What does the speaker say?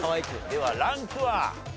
ではランクは？